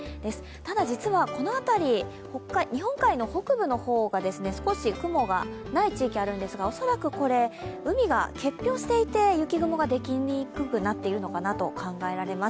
ただ、実はこの辺り、日本海の北部の方が少し雲がない地域があるんですが、恐らくこれ、海が結氷していて雪雲ができにくくなっているのかなと考えられます。